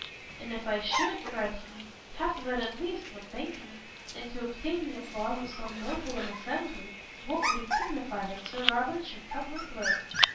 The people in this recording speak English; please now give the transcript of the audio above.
"And if I should," cried he, "half of it, at least, would thank me; and to obtain the applause of so noble an assembly, what would it signify that Sir Robert should cut my throat?"